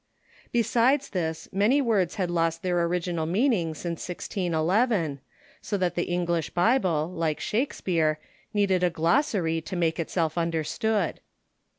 Besides this, many words had lost their original meaning since IGll, so that the English Bible, like Shakespeare, needed a glossary to make itself understood.